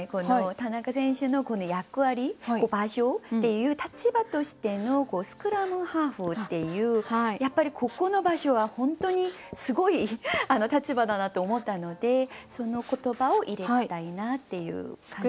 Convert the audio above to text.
田中選手のこの役割場所っていう立場としてのスクラムハーフっていうやっぱりここの場所は本当にすごい立場だなと思ったのでその言葉を入れたいなっていう感じですね。